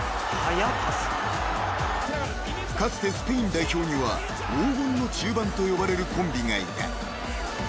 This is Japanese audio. ［かつてスペイン代表には黄金の中盤と呼ばれるコンビがいた］